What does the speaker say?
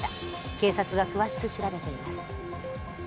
警察が詳しく調べています。